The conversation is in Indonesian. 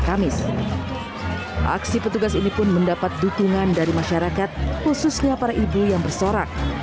kamis aksi petugas ini pun mendapat dukungan dari masyarakat khususnya para ibu yang bersorak